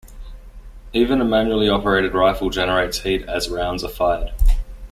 Even a manually operated rifle generates heat as rounds are fired.